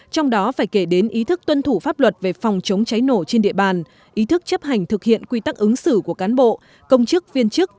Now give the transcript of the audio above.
trong đó phải kể đến ý thức tuân thủ pháp luật về phòng chống cháy nổ trên địa bàn ý thức chấp hành thực hiện quy tắc ứng xử của cán bộ công chức viên chức